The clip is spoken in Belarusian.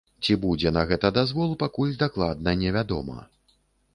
Ці будзе на гэта дазвол, пакуль дакладна невядома.